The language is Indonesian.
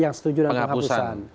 yang setuju dengan penghapusan